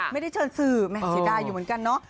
ไม่ได้เชิญสื่อแม่เสียดายอยู่เหมือนกันเนาะ